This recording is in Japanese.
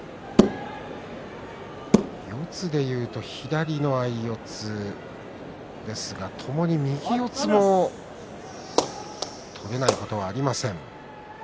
四つでいうと、左の相四つですが、ともに右四つも取れないことはありません。